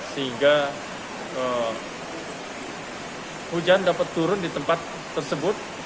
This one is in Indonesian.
sehingga hujan dapat turun di tempat tersebut